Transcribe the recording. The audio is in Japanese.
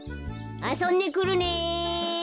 ・あそんでくるね！